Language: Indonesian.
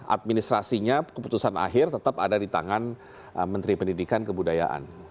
administrasinya keputusan akhir tetap ada di tangan menteri pendidikan kebudayaan